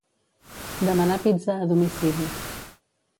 Demanar pizza a domicili.